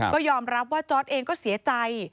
ก็ยอมรับว่าจอร์ดเองก็เสียใจ